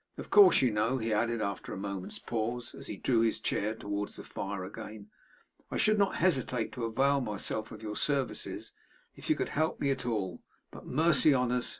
Of course you know,' he added, after a moment's pause, as he drew his chair towards the fire again, 'I should not hesitate to avail myself of your services if you could help me at all; but mercy on us!